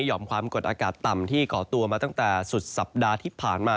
หอมความกดอากาศต่ำที่ก่อตัวมาตั้งแต่สุดสัปดาห์ที่ผ่านมา